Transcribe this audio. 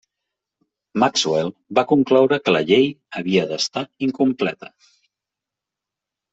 Maxwell va concloure que la llei havia d'estar incompleta.